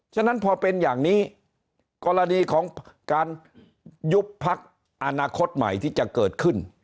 ฉะนั้นพอเป็นอย่างนี้กรณีของการยุบพักอนาคตใหม่ที่จะเกิดขึ้น